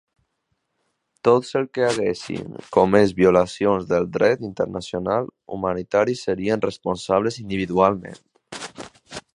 Tots els que haguessin comés violacions del dret internacional humanitari serien responsables individualment.